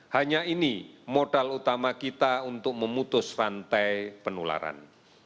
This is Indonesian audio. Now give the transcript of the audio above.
hanya ini modal utama kita untuk memutus rantai penularan